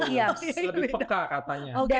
lebih peka katanya